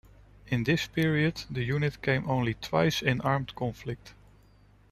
In this period the unit came only twice in armed conflict.